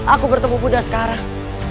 aku bertemu bunda sekarang